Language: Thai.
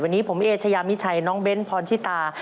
วันนี้ผมเอเชยามิชัยน้องเบ้นพรชิตา